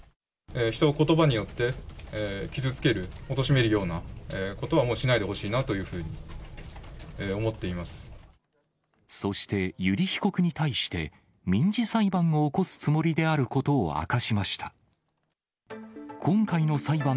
人をことばによって傷つける、おとしめるようなことは、もうしないでほしいなというふうに思っそして、油利被告に対して、民事裁判を起こすつもりであることを明かしました。